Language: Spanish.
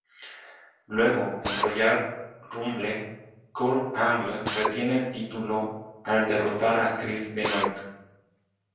Luego en Royal Rumble, Kurt Angle retiene el título al derrotar a Chris Benoit.